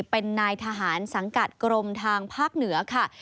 เป็นนายทหารสังกัดกรมทางภาคเหนือค่ะ